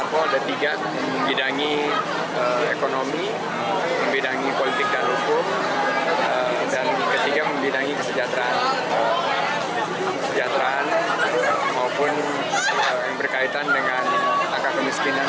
satu membidangi ekonomi membidangi politik dan hukum dan ketiga membidangi kesejahteraan maupun yang berkaitan dengan akar kemiskinan